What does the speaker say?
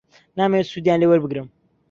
نامەوێت سوودیان لێ وەربگرم.